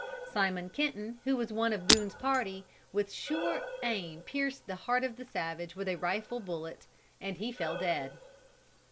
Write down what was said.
Simon Kenton, who was one of Boone's party, with sure aim pierced the heart of the savage with a rifle bullet and he fell dead.